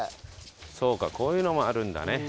そうかこういうのもあるんだね。